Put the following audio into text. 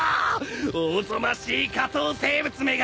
おぞましい下等生物めが！